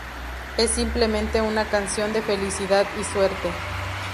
Es simplemente una canción de felicidad y suerte.